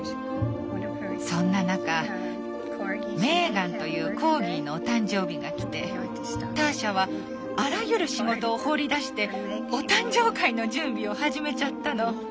そんな中メーガンというコーギーのお誕生日がきてターシャはあらゆる仕事を放り出してお誕生会の準備を始めちゃったの。